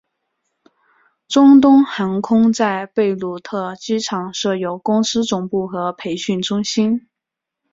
中东航空在贝鲁特机场设有公司总部和培训中心。